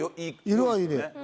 色はいい。